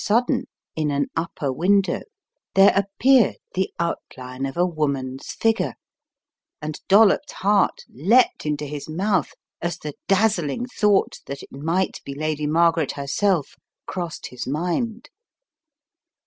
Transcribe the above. In that deserted house, in an upper window, there appeared the out line of a woman's figure and Dollops 9 heart leapt into his mouth as the dazzling thought that it might be Lady Margaret herself, crossed his mind.